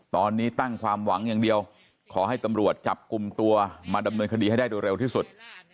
ตอนนี้ตั้งความหวังอย่างเดียวขอให้ตำรวจจับกลุ่มตัวมาดำเนินคดีให้ได้โดยเร็วที่สุด